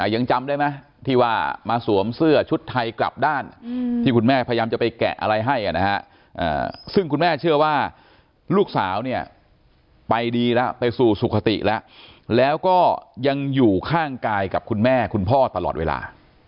ยังจำได้ไหมที่ว่ามาสวมเสื้อชุดไทยกลับด้านที่คุณแม่พยายามจะไปแกะอะไรให้นะฮะซึ่งคุณแม่เชื่อว่าลูกสาวเนี่ยไปดีแล้วไปสู่สุขติแล้วแล้วก็ยังอยู่ข้างกายกับคุณแม่คุณพ่อตลอดเวลา